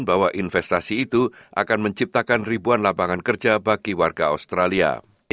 bahwa investasi itu akan menciptakan ribuan lapangan kerja bagi warga australia